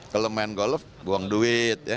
kalau main golf buang duit